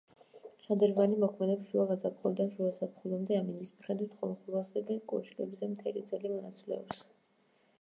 შადრევანი მოქმედებს შუა გაზაფხულიდან შუა ზაფხულამდე ამინდის მიხედვით, ხოლო სურათები კოშკებზე მთელი წელი მონაცვლეობს.